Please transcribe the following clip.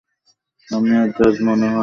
আমি আর জর্জ মনে হয় নিচে শোবো আজকে।